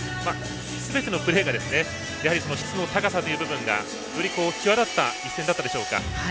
すべてのプレーが質の高さという部分がより際立った一戦でしたか。